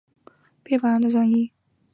几乎所有名单上的人后来都被安全转移。